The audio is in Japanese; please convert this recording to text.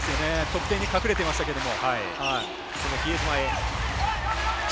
得点に隠れていましたけど。